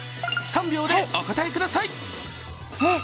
３秒でお答えください。